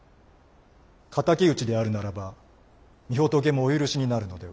仇討ちであるならば御仏もお許しになるのでは。